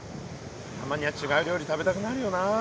たまには違う料理食べたくなるよな。